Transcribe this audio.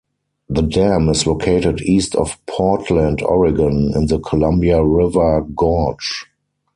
The dam is located east of Portland, Oregon, in the Columbia River Gorge.